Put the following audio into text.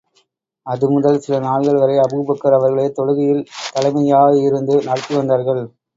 அது முதல் சில நாட்கள் வரை அபூபக்கர் அவர்களே, தொழுகையில் தலைமையாயிருந்து நடத்தி வந்தார்கள்.